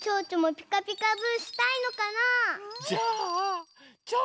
ピカピカブ！